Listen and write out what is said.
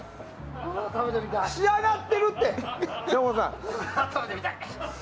仕上がってるって。